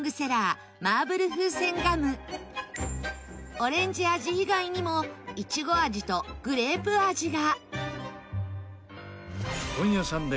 オレンジ味以外にもいちご味とグレープ味が。